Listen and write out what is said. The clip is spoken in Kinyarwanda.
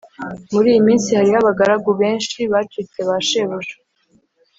Muri iyi minsi hariho abagaragu benshi bacitse ba shebuja.